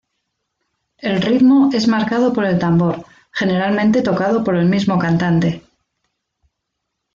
El ritmo es marcado por el tambor, generalmente tocado por el mismo cantante.